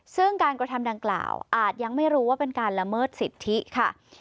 ซึ่งการกระทำดังกล่าวอาจยังไม่รู้ว่าเป็นการละเมิดสิทธิค่ะ